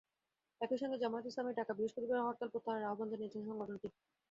একই সঙ্গে জামায়াতে ইসলামীর ডাকা বৃহস্পতিবারের হরতাল প্রত্যাহারের আহ্বান জানিয়েছে সংগঠনটি।